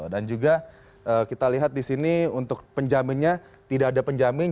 dan juga kita lihat disini untuk penjaminnya tidak ada penjamin